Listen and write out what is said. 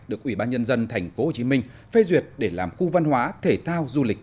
được ủy ban nhân dân tp hcm phê duyệt để làm khu văn hóa thể thao du lịch